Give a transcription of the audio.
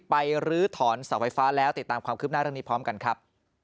ลื้อถอนเสาไฟฟ้าแล้วติดตามความคืบหน้าเรื่องนี้พร้อมกันครับ